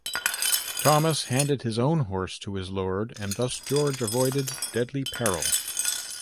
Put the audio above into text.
Thomas handed his own horse to his lord and thus George avoided "deadly peril".